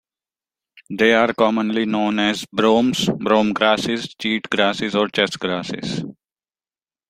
They are commonly known as bromes, brome grasses, cheat grasses or chess grasses.